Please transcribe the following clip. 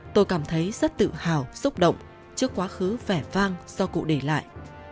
tôi cảm thấy rất tự hào xúc động trước quá khứ vẻ vang do cụ để lại